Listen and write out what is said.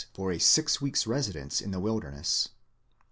for a six weeks' residence in the wilderness.